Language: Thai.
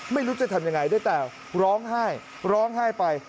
ไม่รู้จะทำยังไงด้วยแต่ร้องไห้ร้องไห้ไป